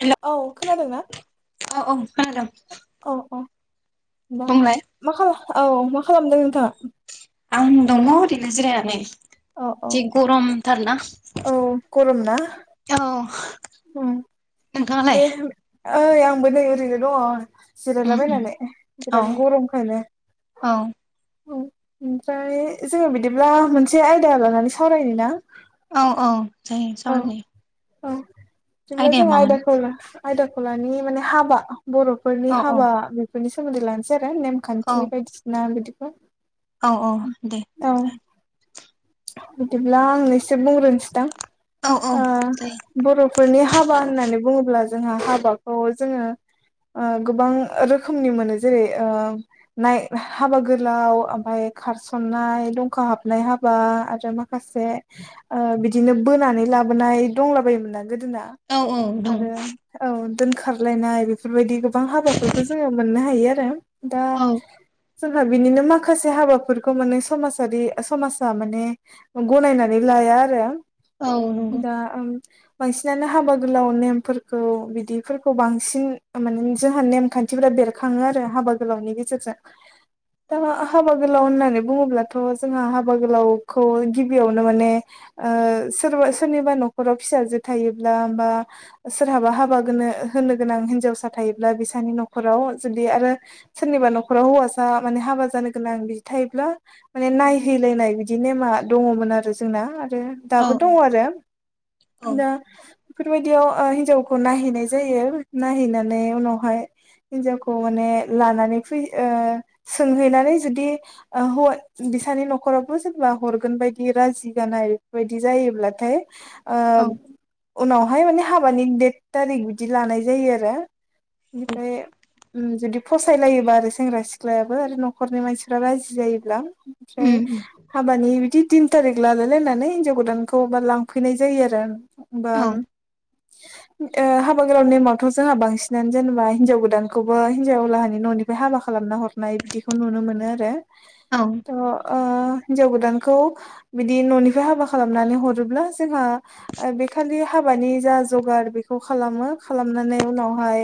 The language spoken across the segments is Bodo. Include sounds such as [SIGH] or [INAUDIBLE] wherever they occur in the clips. हेल' औ खोनादों ना [UNINTELLIGIBLE] दा बुंलाय मा खालाम औ मा खालामदों नोंथाङा। आं दङ ओरैनो जिरायनानै औ औ जि गरमथारना औ गरम ना औ उम नोंथाङालाय दे ओइ आंबो नै ओरैनो दङ'। उम उम जिरायलाबायनानै औ बिराद गरमखायनो औ उम ओमफाय जोङो बिदिब्ला मोनसे आयदा लानानै सावरायनो ना औ औ जायो औ सावरायजायो औ बिदिब्ला आयदाया जों मामोन आयदाखौ आयदाखौ लानि माने हाबा बर'फोरनि औ औ हाबा बेफोरनि सोमोन्दै लानोसै आरो औ नेमखान्थि बायदिसिना बिदिखौ औ औ दे औ जागोन बिदिब्ला आं एसे बुंग्रोनोसै दां औ औ दे ओ बर'फोरनि हाबा होननानै बुङोब्ला जों जोंहा हाबाखौ जोङो। ओ गोबां रोखोमनि मोनो जेरै ओ नाय हाबा गोलाव ओमफाय खारसनाय दंखा हाबनाय हा बा आरो माखासे ओ बिदिनो बोनानै लाबोनाय दंलाबायोमोन आरो गोदाना औ औ दं आरो औ दोनखारलायनाय बेफोरबायदि बां हाबाफोरखौ जोङो मोननो हायो आरो औ जोंहा बिनिनो माखासे हाबाफोरखौ माने समाजारि समाज माने गनायनानै लाया आरो औ नंगौ दा आं बांसिनानो हाबा गोलाव नेमफोरखौ बिदिफोरखौ बांसिन माने जोंहा नेमखान्थिफोरा बेरखाङो आरो हाबा गोलावनि गेजेरजों औ दा हाबा गोलाव होननानै बुङोब्लाथ' जोंहा हा हाबा गोलावखौ गिबियावनो माने ओ सोरबा सोरनिबा न'खराव फिसाजो थायोब्ला बा बा सोरहाबा हाबा गोनो होनो गोनां हिनजावसा थायोब्ला बिसोरनि न'खराव जुदि आरो सोरनिबा न'खराव हौवासा माने हाबा जानो गोनां बिदि थायोब्ला माने उम नायहैलायनाय बिदि नेमा दङमोन आरो जोंना आरो औ दाबो दङ आरो औ दा बेफोरबायदियाव हिनजावखौ नायहैनाय जायो नायहैनानै उनावहाय हिनजावखौ माने माने लानानै फैयो ओ सोंहैनानै जुदि ओ हौवानि बिसानि न' खरावबो सोरबा हरगोन बायदि राजि गानायबेफोरबायदि जायोब्लाथाय ओ औ उनावहाय माने हाबानि देट थारिख बिदि लानाय जायो आरो बेनिफाय उम जुदि फसायलायोबा आरो सेंग्रा सिख्लायाबो आरो न'खरनि मानसिफ्रा राजि जायोब्ला ओमफाय उम उम हाबानि बिदि तिन थारिख लालाय लायनानै हिनजाव गोदानखौ लांफैनाय जायो आरो औ बाम ओ हाबा गोलाव नेमावथ' जोंहा बांसिनानो जेनेबा हिन्जाव गोदानखौबो हिनजावलाहानि न'निफ्राय हाबा खालामो। सानना हरनाय बिदिखौ नुनो मोनो आलो औ ओ हिजाव गोदानखौ बिदि न'निफ्राय हाबा खालामनानै हरोब्ला जोंहा ओ बे फोरनि हाबानि जा जगार बेखौ खालामो खालामनानै उनावहाय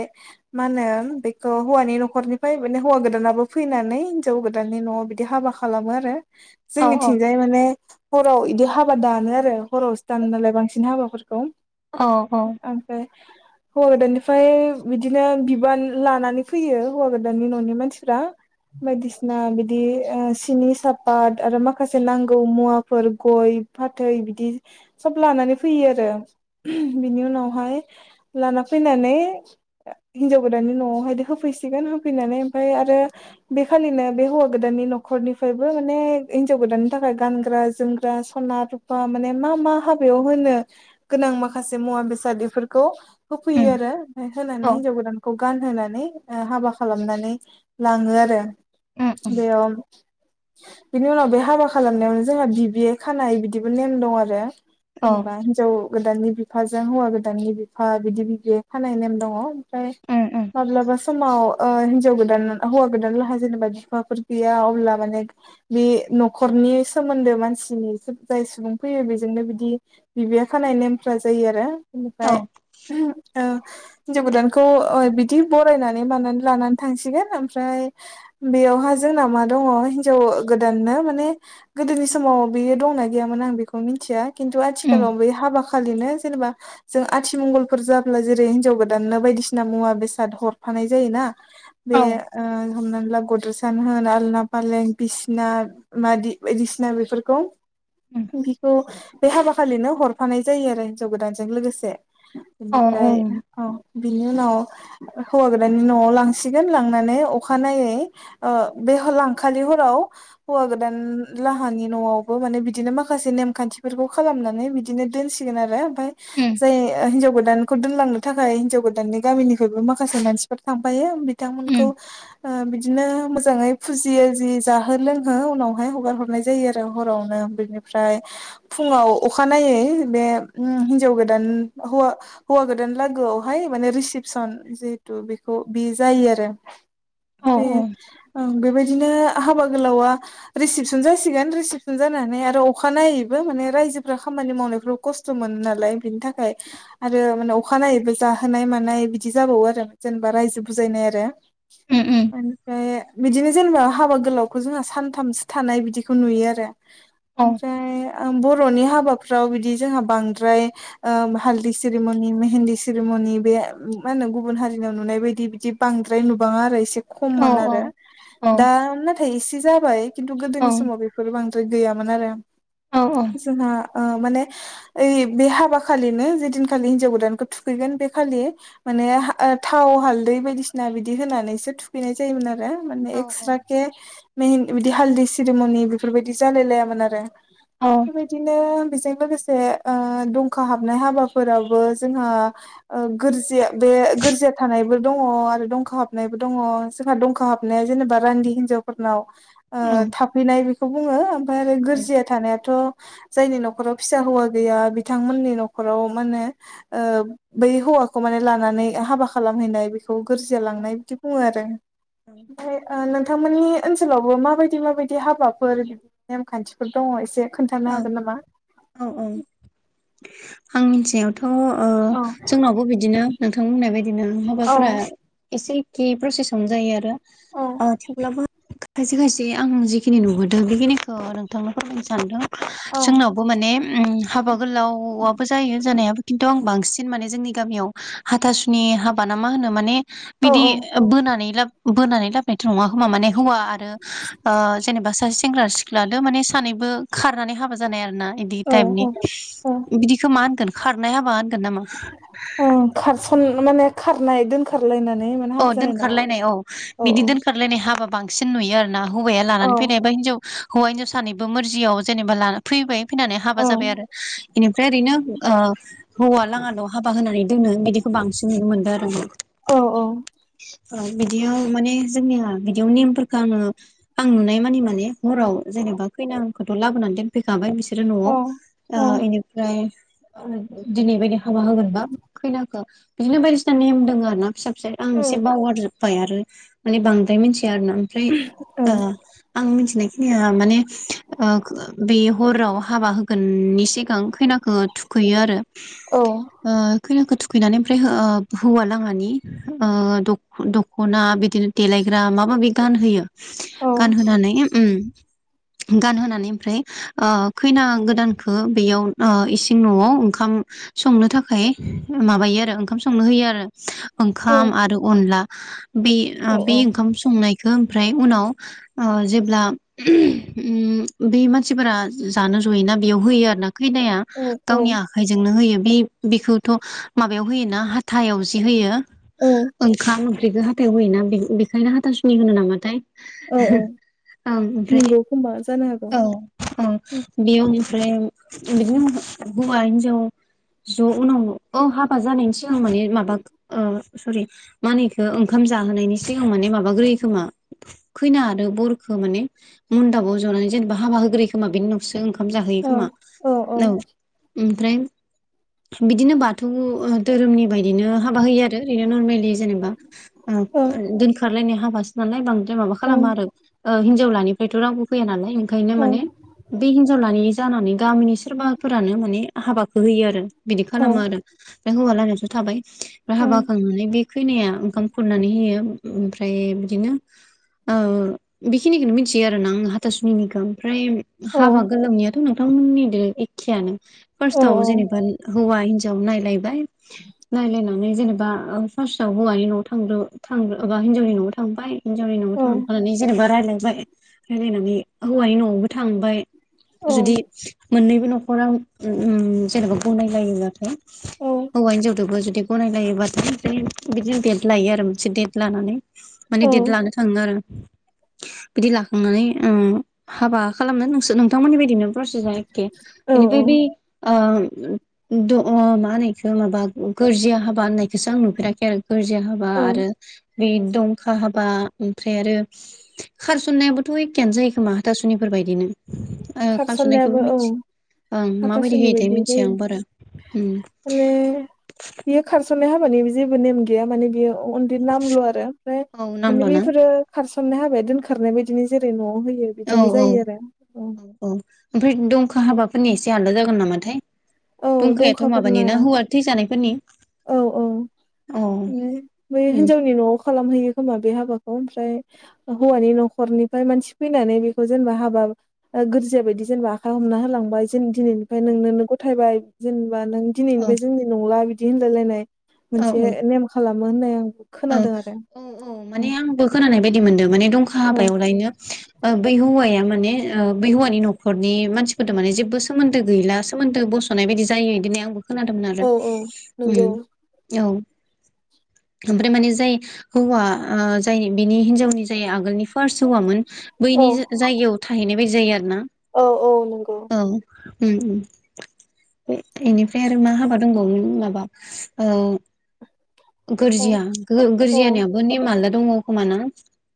माने खौ हौवानि न'खरनिफ्राय माने हौवा गोदानाबो फैनानै हिनजाव गोदाननि न'आव बिदि हाबा खालामो आरो औ जोंनिथिंजाय माने हराव इदि हाबादा ङो आरो हराव सो दानोनालाय बांसिन हाबाफोरखौ औ औ ओमफाय। हौवा गोदाननिफ्राय बिदिनो बिबान लानानै फैयो हौवा गोदाननि न'नि मानसिफ्रा। उम बायदिसिना बिदि ओ सिनि सार। ओ आरो माखासे नांगौ मुवाफोर गय फाथै बिदि सब लानानै फैयो आरो। ओ बिनि उनावहाय लाना फैनानै ओ हिनजाव गोदाननि न'आव। [INAUDIBLE] होफैसिगोन होफैनानै ओमफाय आरो बेखालिनो बे हौवा गोदाननि न'खनिफ्राय। बो माने हिन्जाव गोदाननि थाखाय गानग्रा जोमग्रा सना रुफा माने मा मा हाबायाव होनो गोनां माखासे मुवा बेसाद बिफोरखौ होफैयो उम आरो ओमफाय होनानै औ हिनजाव गोदानखौ। गानहोनानै ओ हाबा खालामनानै लाङो आरो। उम बेयाव। बिनि उनाव बे हाबा खालामनायावनो जोंहा बिबि खानाय बिदिबो नेम दं आरो। औ जेनेबा हिनजाव गोदाननि बि। फाजों हौवा गोदाननि बिफा बिदि बिबि खानाय नेम दङ। फाय उम उम माब्लाबा समाव। ओ हिन्जाव गोदान हौवा गोदान लाहा जेनेबा फिफाफोर गैया अब्ला माने। बि न'खरनि सोमोन्दो मानसिनि जाय सुबुं फैयो बेजोंनो बिदि बिबि। बे खानाय नेमफ्रा जायो आरो औ बेनिफाय औ। हिनजाव गोदानखौ ओ बिदि बरायनानै मानानै लानानै थांसिगोन ओमफ्राय बे। बेयावहा जोंना मा दङ हिन। जौ गोदाननो माने गोदोनि समाव बियो दंना गैयामोन आं बेखौ मिथिया। खिन्थु उम आथिखालाव बे हाबा खालिनो। जेनेबा जों आथिमंगलफोर जाब्ला जेरै हिनजाव गोदाननो बायदिसिना मुवा बेसाद हरफानाय जाय ना। बे औ ओ हमनानै गद्रेसानो होन आलना फालें। बिसिना मादि बायदिसिना बेफोरखौ। उम बिखौ बे हाबा खालिनो हरफानाय जायो आरो हिनजाव गोदानजों लोगोसे। औ बेनिफ्राय उम औ। बिनि उनाव हो हौवा गोदाननि न'आव लांसिगोन लांनानै अखानायै ओ। एहोलांखालि। [INAUDIBLE] फ्राव हौवा गोदान लाहानि न'आवबो माने बिदिनो माखासे नेम खान्थिफोरखौ खालामनानै। बिदिनो दोनसिगोन आरो ओमफाय उम जाय ओ हिनजाव। गोदानखौ दोनलांनो थाखाय हिनजाव गोदाननि गामिनिफायबो माखासे मानसिफोर थांफायो बि। बिथांमोनखौ उम ओ बिदिनो मोजाङै फुजियो जि। जाहो लोंहो उनावहाय हगार हरनाय जायो आरो हरावनो बेनिफ्राय फुङाव अखानायनायै। [INAUDIBLE] बे उ हिनजाव गोदान हौवा-हौवा गोदान लागोआवहाय माने रिसिपसन। जिहेथु बेखौ बि जायो आरो औ बे ओं बेबायदिनो। हाबा गोलावा रिसिपसन जासिगोन रिसिपसन जानानै आरो अखानाययैबो माने रायजोफोरा खाम। मानि मावनायाव खस्थ' मोनो नालाय बिनि थाखाय आरो मानाव अखानायैबो जाहोनाय मानाय बिदि। जाबावो आरो जेनेबा रायजो बुजायनाय आरो उम उम ओंफ्राय बिदिनो जेनेबा हाबा। गोलावखौ जोंहा सानथामसो थानाय बिदिखौ नुयो आरो औ ओमफ्राय। ओम बर'नि हाबाफ्राव बिदि जोंहा बांद्राय ओ हालदै सिरीमनि मेहेन्दी सिरीमनि। मोनि बे मा होनो गुबुन हारिनाव नुनाय बायदि बिदि बांद्राय नुबाङा आरो एसे। औ खममोन औ आरो औ दा नाथाय एसे जाबाय खिन्थु औ गोदोनि समाव बेफोर बां। बो गैयामोन आरो औ जोंहा। ओ माने ओइ बे हाबा खालिनो जेदिनखालि हिनजाव गोदानखौ थुखैगोन बे खालि मोन। माने हा थाव हालदै बायदिसिना बिदि होनानैसो थुखैनाय जायोमोन आरो। माने औ एक्स्राके मेहिनन बिदि हालदै सिरीमनि बेफोरबायदि जालाय लायामोन आरो। बेबादिनो। [INAUDIBLE] गोरजया थानायबो दङ आरो दंखा हाबनायबो दङ। जोंहा दंखा हाबनाया जेनेबा रान्दि हिनजाव फोरनाव ओ थाफैनाय बेखौ बुङो। ओमफ्राय आरो गोरजिया थानायाथ' जायनि न'खराव फिसा हौवा गैया, बिथांमोननि न'खराव मान होने ओ बै हौ हौवाखौ माने लानानै हाबा खालामहैनाय बे खौ गोरजिया औ लांनाय बिदि बुङो आरो। ओमफ्राय नोंथांमोननि ओनसोलावबो माबायदि माबायदि हाबाफोर नेमखान्थिफोर दङ एसे खोन्थानो हागोन औ नामा? औ आं मिथिनायावथ' ओ औ जोंनावबो बिदिनो नोंथांमोननाय बायदि बिदिनो औ माबाफोरा एसेखेै प्रसेसावनो जायो आरो औ आ थेवब्लाबो खायसे खायसे आं जिखिनि नुहुरदों बेखिनिखौ नोंथांनो फोरमायनो सानदों जोंनावबो माने उम हाबा गोलावबो जायो जानायाबो खिन्थु आं बांसिन माने जोंनि गामि आव हाथासुनि हाबा मा होनो माने औ बिदि बोनानै लाबो नायथ' नङा होमा माने हौवा आरो ओ जेनेबा सासे सेंग्रा सिख्लाद माने सानैबो खारनानै हाबा जानाय आरो ना बिदि टाइपनि औ बिदिखौ मा होनगोन खारनाय हाबा होन खारसन माने खारनायोन दोनखारनाय औ दोनखारलायनाय औ औ बिदि दोनखारलायनाय हाबा बांसिन नुयो आरोना हौवाया औ लानानै फैनाया हिनजाव हौवा हिनजाव सानैबो मोरजियाव जेनेबा लाना फैबाय फैनानै औ हाबा जाबाय आरो एनिफ्राय ओरैनो ओ हौवा लाङाल' हाबा होनानै दोननो बिदिखौ बांसिन नुनो मोनदों आरो आ औ औ औ बिदियाव माने जोंनिया बिदियाव नेमफोरखौ आङो आं नुनाय मानि माने हराव जेनेबा खैनाखौथ' लाबोनानै दोनफैखाबाय बिसोरो न'आव औ औ इनिफ्राय दिनै बायदि हाबा होगोनबा खैनाखौ बिदिनो बायदिसिना नेम दोङ आरो ना फिसा फिसा आं एसे बावगारजोबबाय आरो माने बांद्राय मिथिया आरोना ओमफ्राय ओ आं मिथिनाय खिनि आ माने बे हराव हाबा होगोन सिगां खै थुखैयो आरो औ ओ खैनाखौ खैनानै ओमफ्राय ओ हौवा लाङानि ओ दख'ना बिदिनो देलायग्रा मा माबि गानहोयो औ गानहोनानै उम [INAUDIBLE] गानहोनानै ओमफ्राय ओ खैना गोदानखौ बेयाव ओ इसिं न'आव ओंखाम संनो थाखाय माबायो आरो ओंखाम संनो होयो आरो ओंखाम आरो अनला बे ओ औ बे ओंखाम संनाय ओमफ्राय उनाव ओ जेब्ला उम बे मानसिफोरा जानो जयोना बेयाव खैनाया गावनि आखायजोंनो होयो बे बेखौथ' माबायाव होयोना हाथायाव जि होयो ओंखाम संख्रिखौ हाथायाव होयोना बेखायनो हाथासुनि होनो नामाथाय औ औ ओं ओमफ्राय नंगौ खोमा जानो हागौ औ औ बेयाव ओमफ्राय बिदिनो हौवा हिनजाव ज' उनाव औ हाबा जानायनि सिगां माने माबा ओ सरि मानो एखौ ओंखाम जाहोनायनि सिगाङां माने माबाग्रोयो खोमा खैनो हादों बफ मोनाव जनानै जेनेबा हाबा होग्रोयो खोमा बेनिनावसो ओंखाम जाहैयो औ खोमा औ ओमफ्राय बिदिनो बाथौ धोरोमनि बायदिनो हाबा होयो आरो ओरैनो नरेला औ जेनेबा हाबासो नालाय बांद्राय माबा खालामो आरो ओ हिनजावलानिफ्रायथ' रावबो फैया नालाय ओंखायनो औ माने बे हिनजावलानि जानानै गामिनि सोरबाफोरानो माने हाबाखौ होयो आरो बिदि औ खालामो आरो फ्राय हौवा लायनाय' थ हाबानानै बे खैनाया ओंखाम खुरनानै होयो ओमफ्राय बिदिनो ओ बेखिनिखौनो मिथियो आर ना आं हाथासुनिनिखौ। ओमफ्राय हाबा गोलोमनियाथ' न नोंथांमोननिदो एखेयानो फारसताव जेनेबा हौवा हिनजाव नायलायबाय नायला माने जेनेबा फार्स्टआव हौवानि न'आव थाग्रोबाय हिनजावनि न'आव थांबाय हिनजावनि न'आव थांफानानै जेनेबा रायजलायबाय रायज्लायनानै हौवानि न'आवबो थांबाय जुदि मोननैबो न'खरा उ उ जेनेबा गनायलायोब्लाथाय हौवा हिनजावदोबो गनायलायोबथाय बिदिनो डेट लायो आरो मोनसे डेट लानानै माने डेट लानो थाङो आरो। बिदि लाखांनानै उ हाबा खालामनो नोंसोर, नोंथांमोननि बायदिनो फ्रेस औ [UNINTELLIGIBLE] बेनिफ्राय बै ओ द' ओ मा होनो बेखो माबा गोरजिया हाबा होननायखौसो आं नुफेराखै आरो। गोरजिया हाबा औ आरो बे दंखा हाबा, ओमफ्राय आरो खारसननायाबोथ' एखेयानो जायो खोमा हाथासुनिफोर बायदिनो ओ खारसननायाबो खारस'नायखौबो औ मिथि ओं माबायदि हाथासुनि होयोथाय बायदि मिथिया जायो आं बारा उ बेयो खार स'ननाय हाबानि जेबो नेम गैया माने बे उ नामल' आरो ओमफ्राय औ माने नामल' ना बेफोरो खारस'ननाय हाबाय दोनखारनाय बायदिनो जेरै न'आव होयो औ बिदिनो औ जायो आरो औ ओमफ्राय दंखा हाबाफोरनि एसे आलादा जागोन नामाथाय? औ दंखायाथ' माबानि दंखाफोरना ना हौवा थैजानायफोरनि। औ उम बे हिनजावनि न'आव खालामहैयो खोमा बे हाबाखौ, ओमफ्राय हौवानि न'खरनिफ्राय मानसि फैनानै बेखौ जेनेबा हाबा ओ गोरजिया बायदि जेनेबा आखाइ हमना होलांबाय जेनबा दिनैनिफ्राय औ नोंनो गथायबाय, जेनेबा नों दिनैनिफ्राय जोंनि नंला बिदि होनलायलायनाय मोनसे औ नेम खालामो होननाय आं। औ खोनादों आरो औ औ माने आंबो खोनानाय बायदि मोनदों माने दंखा औ हाबायावलायनो। बै हौवाया माने बै हौवानि नखरनि मानसिफोरदो माने जेबो सोमोन्दो गैला सोमोनदो बस' नाय बायदि जायो इदि होननाय आंबो खोनादोंमोन आरो औ औ नंगौ ओ औ। ओमफ्राय माने जाय हौवा, ओ जाय बिनि हिनजावनि, जाय आगोलनि फार्स्ट हौवामोन बैनि जायगायाव थाहैनाय बायदि जायो आरो ना औ औ नंगौ उ उ इनिफ्राय आरो मा हाबा दंबावोमोन माबा ओ गोरजिया, गो औ गोरजियानियाबो नेम आलदा दङ खोमा ना?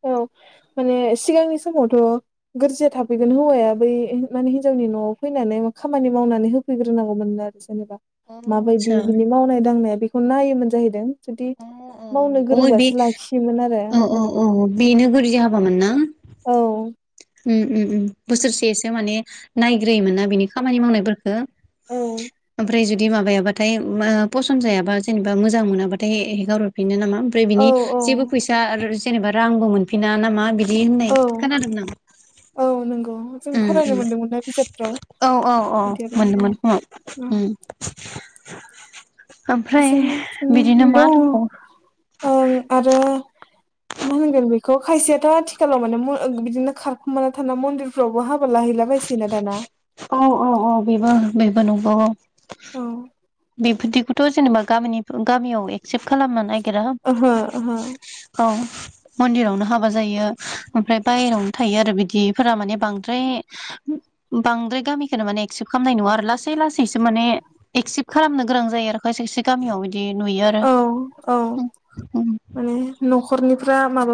औ माने सिगांनि समावथ' गोरजिया थाफैगोन हौवाया बै माने हिनजाव नि न'आव फैनानै खामानि मावनानै होफैग्रोनांगौमोननो आरो। जेनेबा अ माबायदि आतसा बिनि मावनाय-दांनाया बेखौ नायोमोन जाहैदों। जुदि, अ मावनो अ अ बे गोरोंबासो लाखियोमोन आरो औ। बेनो गोरजिया हाबामोन ना। औ। उ-उ-उ बोसोरसेसो माने नायग्रोयोमोन ना बिनि। खामानि मावनायफोरखो ओमफ्राय जुदि बिदि माबायाबाथाय फसन्द जायाबा, जेनेबा मोजां मोनाबाथाय हगारहरफिनो नामा? ओमफ्राय औ बिनि औ जेबो फैसा आरो जेनेबा रांबो मोनफिना नामा बिदि होननाय औ खोनादों मोन आं। औ नोंगौ। ओ ओ औ औ औ बिदि आरो औ मोनदोंमोन औ फुङाव। [INAUDIBLE] [INAUDIBLE] बिनोनो दं दंबावो ओं आरो [UNINTELLIGIBLE] मा होनगोन बेखौ खायसेयाथ' आथिखालाव माने बिदिनो खारखुमाना थानाय मन्दिरफ्रावबो हाबा लाहैलाबायायसै ना दाना [INAUDIBLE] औ औ औ बेबो बेबो नंगौ औ औ बेफोरदिखौथ' जेनेबा गामिनि गामियाव एक्सेप्ट खालामनो नागिरा ओहो ओहो औ मन्दिरावनो हाबा जायो ओमफ्राय बायेरायावनो थायो आरो बिदिफोरा माने बांद्राय बांद्राय गामिखौनो माने एक्सेप्ट खालामनाय नुवा आरो लासै लासै सो माने एक्सेप्ट खालामनो गोनां जायो आरो खायसे खायसे गामियाव बिदि नुयो औ औ आरो माने न'खरनिफ्रा माबा